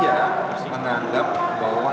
harus menganggap bahwa